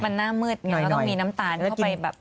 มันน่ามืดเนี่ยแล้วต้องมีน้ำตาลเข้าไปแบบ